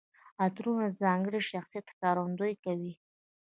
عطرونه د ځانګړي شخصیت ښکارندويي کوي.